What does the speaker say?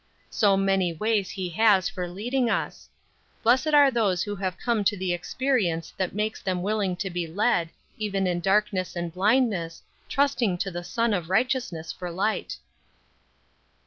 So many ways he has for leading us! Blessed are those who have come to the experience that makes them willing to be led, even in darkness and blindness, trusting to the Sun of Righteousness for light.